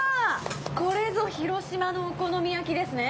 コレぞ「広島のお好み焼き」ですね！